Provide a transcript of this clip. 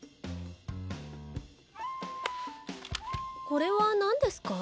これは何ですか？